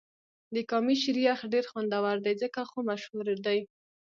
د کامی شیر یخ ډېر خوندور دی ځکه خو مشهور دې.